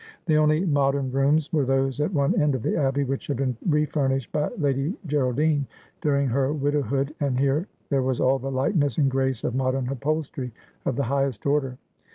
The only modern rooms were those at one end of the Abbey, which had been refurnished by Lady Geraldine during her widowhood, and here there was ail the lightness and grace of modern upholstery of the highest order.